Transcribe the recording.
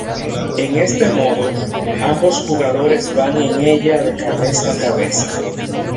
En este modo, ambos jugadores van en ella de cabeza a cabeza.